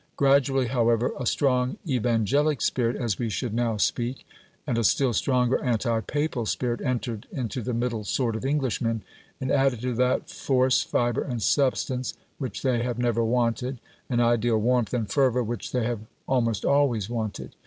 Gradually, however, a strong Evangelic spirit (as we should now speak) and a still stronger anti Papal spirit entered into the middle sort of Englishmen, and added to that force, fibre, and substance which they have never wanted, an ideal warmth and fervour which they have almost always wanted.